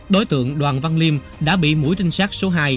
đối tượng đoàn văn liêm đã bị mũi trinh sát số hai